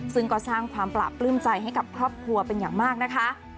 ซึ่งก็สร้างความปราบปลื้มใจให้กับครอบครัวเป็นอย่างมากนะคะ